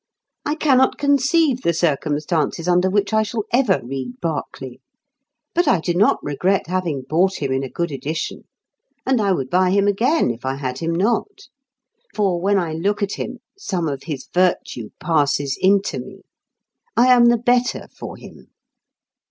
I cannot conceive the circumstances under which I shall ever read Berkeley; but I do not regret having bought him in a good edition, and I would buy him again if I had him not; for when I look at him some of his virtue passes into me; I am the better for him.